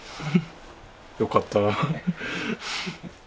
よかったら。